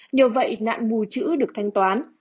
nhờ vậy nạn mù chữ được thanh toán